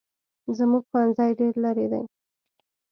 زموږ ښوونځی ډېر لري دی